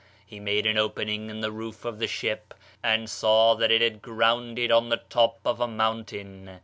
He made an opening in the roof of the ship, and saw that it had grounded on the top of a mountain.